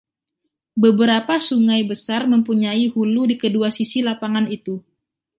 Beberapa sungai besar mempunyai hulu di kedua sisi lapangan itu.